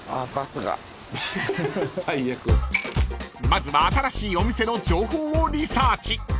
［まずは新しいお店の情報をリサーチ］